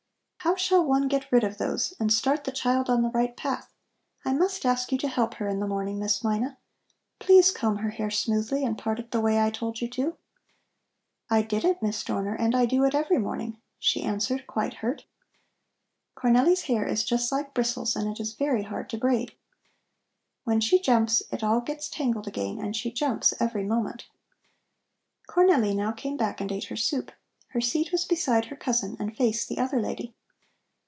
"How shall one get rid of those and start the child on the right path? I must ask you to help her in the morning, Miss Mina. Please comb her hair smoothly and part it the way I told you to." "I did it, Miss Dorner, and I do it every morning," she answered, quite hurt. "Cornelli's hair is just like bristles and it is very hard to braid. When she jumps it all gets tangled again and she jumps every moment." Cornelli now came back and ate her soup. Her seat was beside her cousin and faced the other lady.